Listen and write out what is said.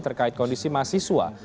terkait kondisi mahasiswa